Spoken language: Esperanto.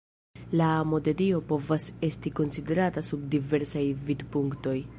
La amo de Dio povas esti konsiderata sub diversaj vidpunktoj.